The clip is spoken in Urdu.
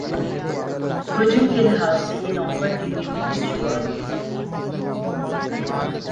حجم کے لحاظ سے یہ نومبر کے لیے منحوس شروعات تھِی